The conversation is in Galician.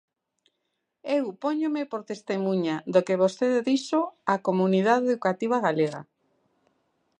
Eu póñome por testemuña do que vostede dixo a comunidade educativa galega.